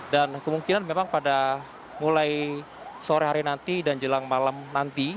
dan kemungkinan memang pada mulai sore hari nanti dan jelang malam nanti